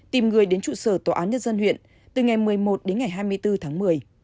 tìm người đến trụ sở tòa án nhân dân huyện từ ngày một mươi một đến ngày hai mươi bốn tháng một mươi